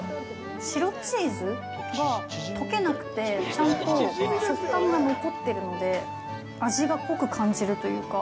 白チーズが溶けなくて、ちゃんと食感が残ってるので、味が濃く感じるというか。